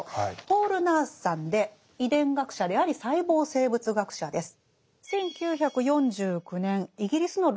ポール・ナースさんで遺伝学者であり細胞生物学者です。